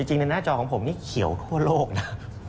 จริงในหน้าจอของผมนี่เขียวทั่วโลกนะ